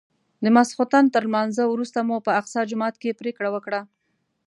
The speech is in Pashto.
د ماسختن تر لمانځه وروسته مو په اقصی جومات کې پرېکړه وکړه.